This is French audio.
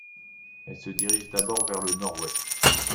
Elle se dirige d'abord vers le nord-ouest.